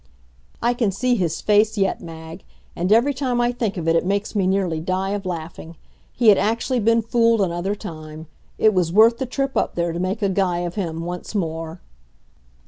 I can see his face yet, Mag, and every time I think of it, it makes me nearly die of laughing. He had actually been fooled another time. It was worth the trip up there, to make a guy of him once more.